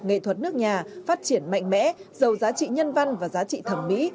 nghệ thuật nước nhà phát triển mạnh mẽ giàu giá trị nhân văn và giá trị thẩm mỹ